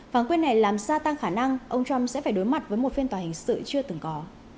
phán quyết này làm gia tăng khả năng ông trump sẽ phải đối mặt với một phiên tòa hình sự chưa từng có